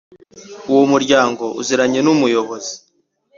uwo muryango uziranye n Umuyobozi